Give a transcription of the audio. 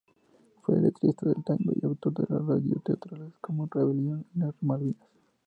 Fue letrista de tango y autor de radioteatros, como "Rebelión en las Malvinas".